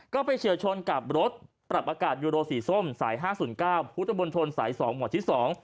ก็ไปเฉียวชนกับรถปรับอากาศยูโรสี่ส้มสาย๕๐๙พุทธบนชนสาย๒หมวดที่๒